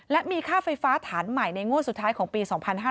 และมีค่าไฟฟ้าฐานใหม่ในงวดสุดท้ายของปี๒๕๕๙